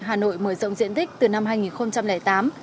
hà nội mở rộng diện tích từ năm hai nghìn tám